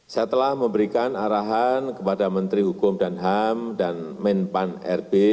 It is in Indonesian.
saya telah memberikan arahan kepada menteri hukum dan ham dan menpan rb